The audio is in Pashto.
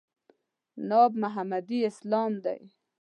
ناب محمدي اسلام دی.